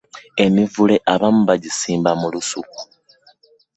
Emivule abamu bagisimba mu lusuku.